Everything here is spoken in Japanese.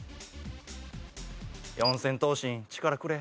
四千頭身力くれ。